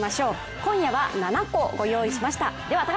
今夜は、７個ご用意しました。